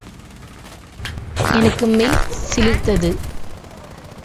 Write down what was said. எனக்கு மெய் சிலிர்த்தது.